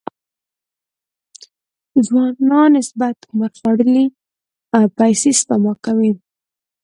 ځوانانو نسبت عمر خوړلي پيسې سپما کوي.